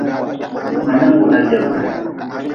Ma ninwuda jebri.